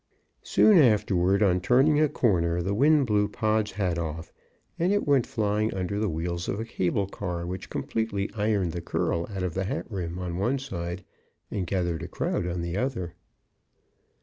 Soon afterward, on turning a corner, the wind blew Pod's hat off, and it went flying under the wheels of a cable car which completely ironed the curl out of the hat rim on one side, and gathered a crowd on the other.